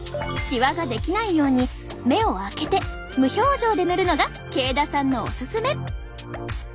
シワが出来ないように目を開けて無表情で塗るのが慶田さんのおすすめ。